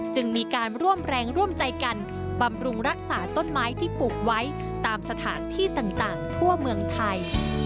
จึงมีการร่วมแรงร่วมใจกันบำรุงรักษาต้นไม้ที่ปลูกไว้ตามสถานที่ต่างทั่วเมืองไทย